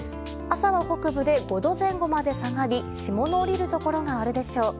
朝は北部で５度前後まで下がり霜の降りるところがあるでしょう。